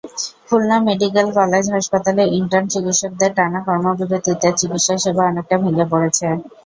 Khulna medical college হাসপাতালে intern চিকিৎসকদের টানা কর্মবিরতিতে চিকিৎসাসেবা অনেকটা ভেঙে পড়েছে।